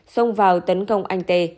xông vào tấn công anh t